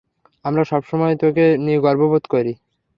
আমরা সবসময় তোকে নিয়ে গর্ববোধ করি।